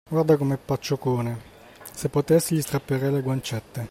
Guarda com'è pacioccone! Se potessi gli strapperei le guancette!